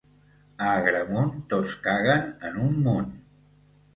A Agramunt tots caguen en un munt